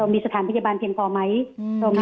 มีสถานพยาบาลเพียงพอไหม